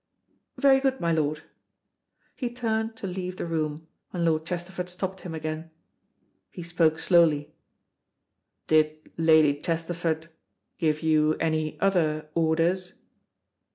"Very good, my lord." He turned to leave the room, when Lord Chesterford stopped him again. He spoke slowly. "Did Lady Chesterford give you any other orders?"